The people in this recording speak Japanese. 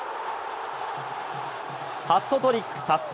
ハットトリック達成。